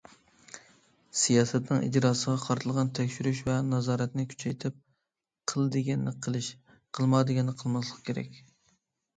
سىياسەتنىڭ ئىجراسىغا قارىتىلغان تەكشۈرۈش ۋە نازارەتنى كۈچەيتىپ، قىل دېگەننى قىلىش، قىلما دېگەننى قىلماسلىق كېرەك.